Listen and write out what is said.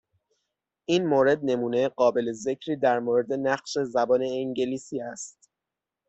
این مورد نمونه قابل ذکری در مورد نقش زبان انگلیسی است.